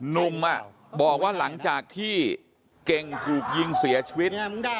หนุ่มบอกว่าหลังจากที่เก่งถูกยิงเสียชีวิต